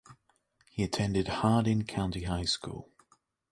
He attended Hardin County High School.